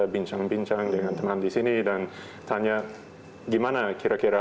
bincang bincang dengan teman di sini dan tanya gimana kira kira